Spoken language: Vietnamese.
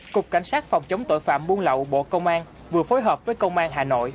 cục cảnh sát phòng chống tội phạm buôn lậu bộ công an vừa phối hợp với công an hà nội